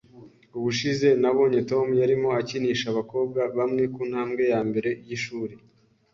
Ubushize nabonye Tom yarimo akinisha abakobwa bamwe kuntambwe yambere yishuri